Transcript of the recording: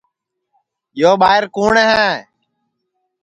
یو ٻائیر کُوٹؔ ہے